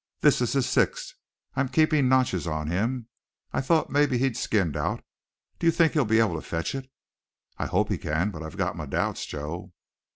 "This is his sixth, I'm keepin' notches on him. I thought maybe he'd skinned out. Do you think he'll be able to fetch it?" "I hope he can, but I've got my doubts, Joe."